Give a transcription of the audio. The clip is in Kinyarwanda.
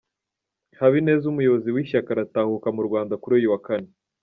Habineza Umuyobozi w’ishyaka aratahuka mu Rwanda kuri uyu wa Kane